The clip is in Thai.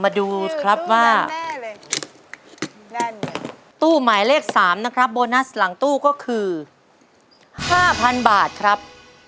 มาดูครับว่าตู้หมายเลข๓นะครับโบนัสหลังตู้ก็คือ๕๐๐๐บาทครับ